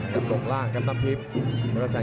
กับตรงล่างครับน้ำทิพย์